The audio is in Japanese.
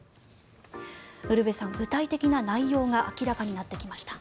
ウルヴェさん、具体的な内容が明らかになってきました。